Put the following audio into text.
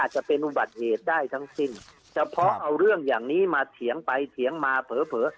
จะเป็นอุบัติเหตุได้ทั้งสิ้นเฉพาะเอาเรื่องอย่างนี้มาเถียงไปเถียงมาเผลอ